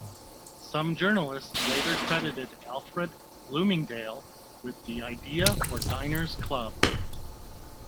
Some journalists later credited Alfred Bloomingdale with the idea for Diners Club.